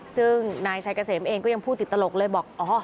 ซึ่งนายชัยเกษมเองก็ยังพูดติดตลกเลยบอก